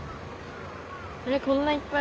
こんないっぱい。